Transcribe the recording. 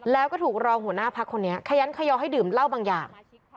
แล้วก็ถูกรองหัวหน้าพักคนนี้ขยันขยอให้ดื่มเหล้าบางอย่าง